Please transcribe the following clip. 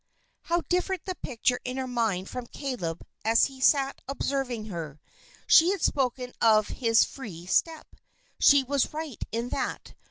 How different the picture in her mind from Caleb as he sat observing her. She had spoken of his free step. She was right in that.